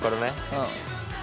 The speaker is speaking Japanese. うん。